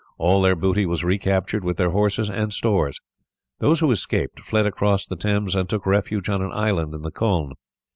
All their booty was recaptured, with their horses and stores. Those who escaped fled across the Thames and took refuge on an island in the Colne.